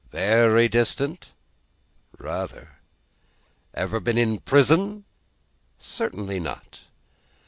Very distant? Rather. Ever been in prison? Certainly not.